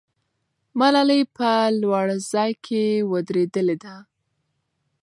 ملالۍ په لوړ ځای کې ودرېدلې ده.